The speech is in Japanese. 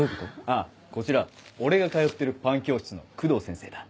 あぁこちら俺が通ってるパン教室の工藤先生だ。